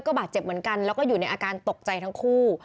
บาดเจ็บเหมือนกันแล้วก็อยู่ในอาการตกใจทั้งคู่